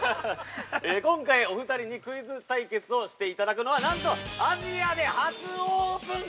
今回お二人にクイズ対決をしていただくのはなんとアジアで初オープン！